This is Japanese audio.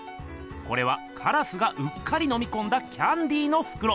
これはカラスがうっかりのみこんだキャンディーのふくろ。